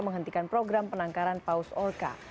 menghentikan program penangkaran paus orka